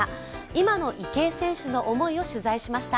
今の池江選手の思いを取材しました。